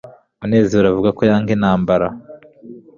munezero avuga ko yanga intambara